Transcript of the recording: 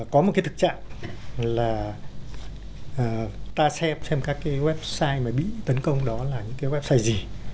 có một cái thực trạng là ta xem các cái website mà bị tấn công đó là những cái website gì